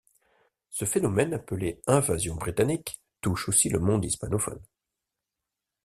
Ce phénomène, appelée invasion britannique, touche aussi le monde hispanophone.